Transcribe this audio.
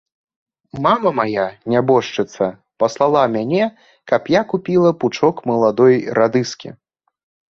Мама мая, нябожчыца, паслала мяне, каб я купіла пучок маладой радыскі.